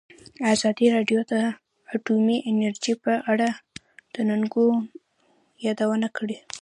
ازادي راډیو د اټومي انرژي په اړه د ننګونو یادونه کړې.